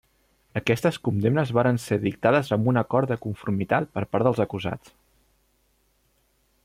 Aquestes condemnes vares ser dictades amb un acord de conformitat per part dels acusats.